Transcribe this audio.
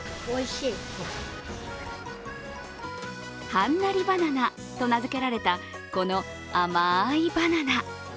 はんなりばななと名付けられたこの甘いバナナ。